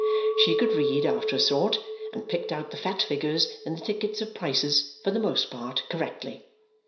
She could read after a sort; and picked out the fat figures in the tickets of prices, for the most part correctly.